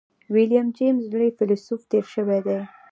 ويليم جېمز لوی فيلسوف تېر شوی دی.